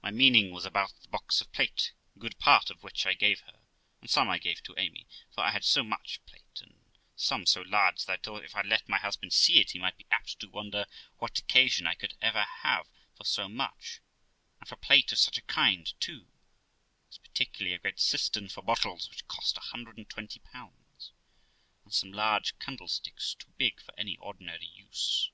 My meaning was about the box of plate, good part of which I gave her, and some I gave to Amy; for I had so much plate, and some so large, that I thought, if I let my husband see it, he might be apt to wonder what occasion I could ever have for so much, and for plate of such a kind too; as particularly a great cistern for bottles; which cost a hundred and twenty pounds, and some large candlesticks too big for any ordinary use.